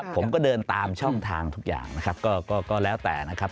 ผมก็เดินตามช่องทางทุกอย่างนะครับก็แล้วแต่นะครับ